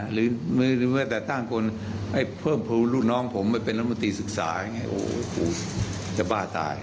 หรือเมื่อแต่ตั้งคนเพิ่มพรุนลูกน้องผมไปเป็นละมตีศึกษาอย่างเงี้ยโอ้โหจะบ้าตาย